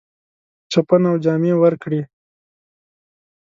چپنه او جامې ورکړې.